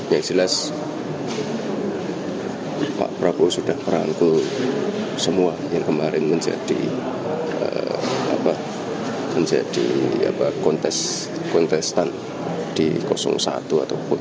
yang jelas pak prabowo sudah merangkul semua yang kemarin menjadi kontestan di satu atau dua